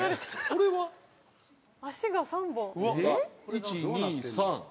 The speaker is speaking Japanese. １２３。